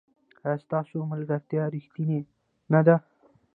ایا ستاسو ملګرتیا ریښتینې نه ده؟